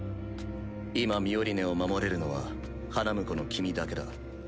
今ミオリネを守れるのは花婿の君だけだ。